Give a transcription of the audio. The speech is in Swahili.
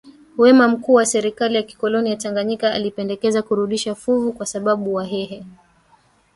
wema Mkuu wa serikali ya kikoloni ya Tanganyika alipendekeza kurudisha fuvu kwa sababu Wahehe